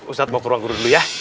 ustadz mau ke ruang guru dulu ya